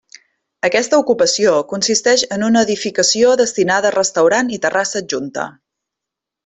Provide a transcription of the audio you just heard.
Aquesta ocupació consisteix en una edificació destinada a restaurant i terrassa adjunta.